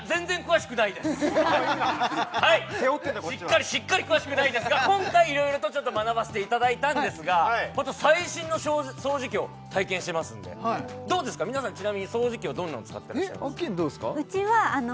しっかりしっかり詳しくないですが今回いろいろと学ばせていただいたんですがホント最新の掃除機を体験してますんでどうですか皆さんちなみに掃除機はどんなの使ってらっしゃいますかえっアッキーナどうですか？